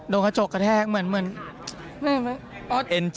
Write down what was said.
โดงกระจกกระแทกเหมือน